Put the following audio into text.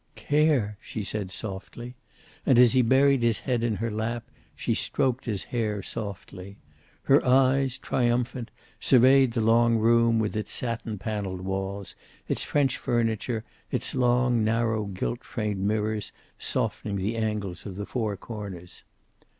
"Care!" she said softly. And as he buried his head in her lap she stroked his hair softly. Her eyes, triumphant, surveyed the long room, with its satin paneled walls, its French furniture, its long narrow gilt framed mirrors softening the angles of the four corners.